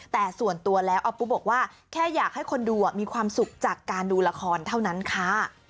แต่ส่วนตัวแล้วออปปุ๊บบอกว่าแค่อยากให้คนดูมีความสุขจากการดูละครเท่านั้นค่ะ